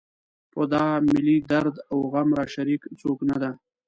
په دا ملي درد و غم راشریک څوک نه ده.